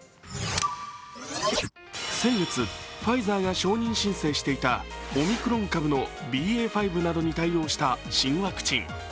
先月ファイザーが承認申請していたオミクロン株のＢＡ．５などに対応した新ワクチン。